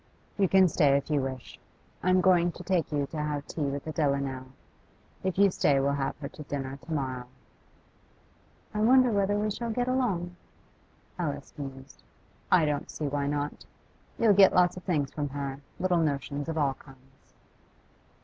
'You can stay if you wish. I'm going to take you to have tea with Adela now. If you stay we'll have her to dinner to morrow.' 'I wonder whether we shall get along?' Alice mused. 'I don't see why not. You'll get lots of things from her, little notions of all kinds.